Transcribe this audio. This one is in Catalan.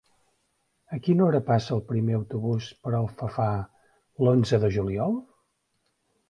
A quina hora passa el primer autobús per Alfafar l'onze de juliol?